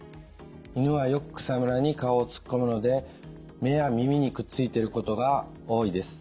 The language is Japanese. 犬はよく草むらに顔を突っ込むので目や耳にくっついていることが多いです。